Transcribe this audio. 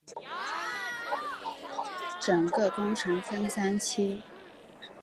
整个工程共分三期。